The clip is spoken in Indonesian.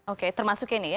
oke termasuk ini ya